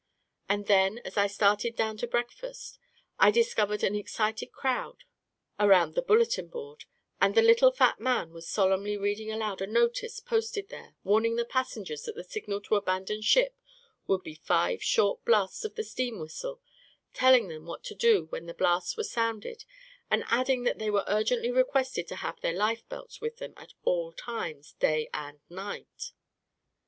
And then, as I started down to break fast, I discovered an excited crowd around the bulle tin board, and the little fat man was solemnly read ing aloud a notice posted there, warning the passen gers that the signal to abandon ship would be five short blasts of the steam whistle, telling them what to do when the blasts were sounded, and adding that they were urgently requested to have their life belts with them at all times, day and night.